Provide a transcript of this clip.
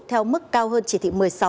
theo mức cao hơn chỉ thị một mươi sáu